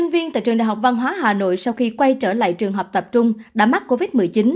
văn hóa hà nội sau khi quay trở lại trường học tập trung đã mắc covid một mươi chín